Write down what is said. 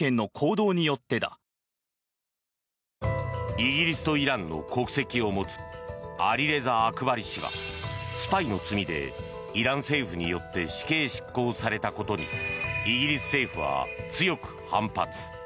イギリスとイランの国籍を持つアリレザ・アクバリ氏がスパイの罪でイラン政府によって死刑執行されたことにイギリス政府は強く反発。